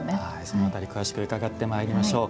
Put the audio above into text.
その辺り、詳しく伺ってまいりましょう。